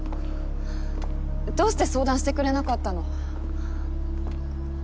どうして相談してくれなかったの？